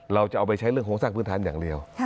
เราจะเอาไปใช้เรื่องโครงสร้างพื้นฐานอย่างเดียว